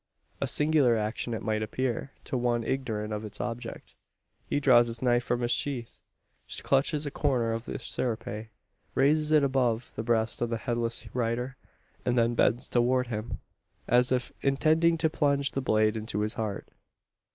A singular action it might appear, to one ignorant of its object. He draws his knife from its sheath; clutches a corner of the serape; raises it above the breast of the Headless rider; and then bends towards him, as if intending to plunge the blade into his heart!